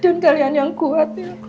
dan kalian yang kuat ya